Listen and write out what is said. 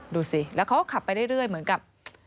ดูสิแล้วเขาก็ขับไปเรื่อยเหมือนกับ